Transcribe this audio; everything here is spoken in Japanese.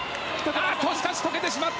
しかし、解けてしまった。